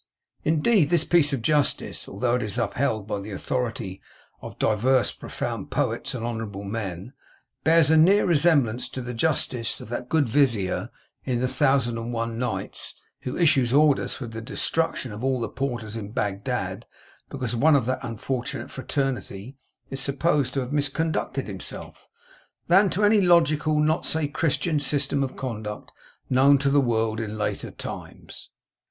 Indeed this piece of justice, though it is upheld by the authority of divers profound poets and honourable men, bears a nearer resemblance to the justice of that good Vizier in the Thousand and one Nights, who issues orders for the destruction of all the Porters in Bagdad because one of that unfortunate fraternity is supposed to have misconducted himself, than to any logical, not to say Christian, system of conduct, known to the world in later times.